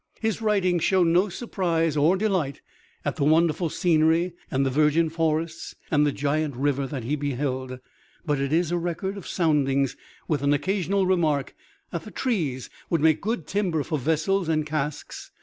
His writings show no surprise or delight at the wonderful scenery and the virgin forests and the giant river that he beheld, but is a record of soundings with an occasional remark that the trees would make good timbers for vessels and casks.